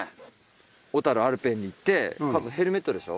小樽アルペンに行ってヘルメットでしょ？